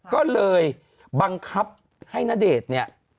ก็เลยบังคับให้ณเดชน์เนี่ย